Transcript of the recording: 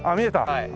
はい。